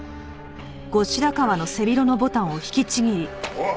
おい！